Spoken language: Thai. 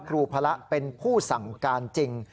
พระเป็นผู้สั่งการจริง